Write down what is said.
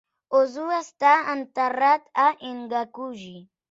Ozu està enterrat a Engaku-ji.